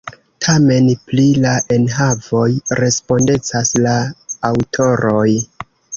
Tamen, pri la enhavoj respondecas la aŭtoroj.